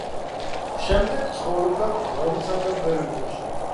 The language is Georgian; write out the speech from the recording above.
შემდეგ ცხოვრობდა რომსა და ბერლინში.